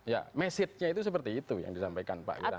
ya message nya itu seperti itu yang disampaikan pak wira